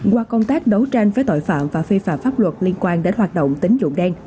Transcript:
qua công tác đấu tranh với tội phạm và phi phạm pháp luật liên quan đến hoạt động tính dụng đen